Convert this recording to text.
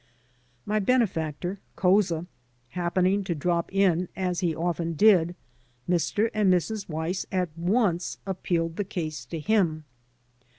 My benefactor, Couza, happening to drop in, as he often did, Mr. and Mrs. Weiss at once appealed the case to him.